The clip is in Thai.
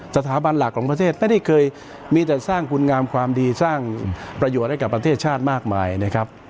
สถาบันหลักของประเทศไม่ได้เคยมีแต่สร้างคุณงามความดีสร้างประโยชน์ให้กับประเทศชาติมากมายนะครับ